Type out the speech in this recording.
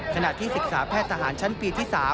ขณะที่ศึกษาแพทย์ทหารชั้นปีที่๓